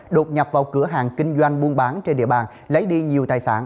đột nhập vào cửa hàng kinh doanh buôn bán trên địa bàn lấy đi nhiều tài sản